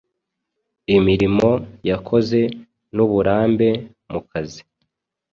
Imirimo yakoze n’uburambe mu kazi